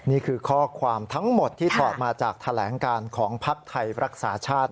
นี่คือข้อความทั้งหมดที่ถอดมาจากแถลงการของภักดิ์ไทยรักษาชาติ